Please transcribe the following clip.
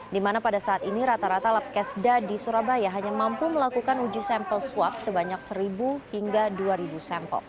di mana pada saat ini rata rata labkesda di surabaya hanya mampu melakukan uji sampel swab sebanyak seribu hingga dua ribu sampel